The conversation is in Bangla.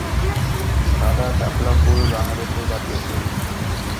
সাদা শাপলা ফুল বাংলাদেশের জাতীয় ফুল।